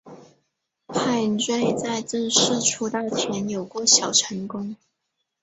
派瑞在正式出道前有过小成功。